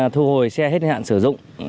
thu hồi xe hết hạn sử dụng